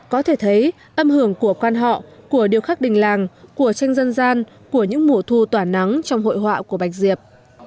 có thể thấy âm hưởng của quan họ của điều khắc đình làng của tranh dân gian của những mùa thu tỏa nắng trong hội họa của bạch diệp